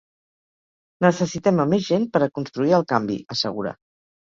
Necessitem a més gent per a construir el canvi, assegura.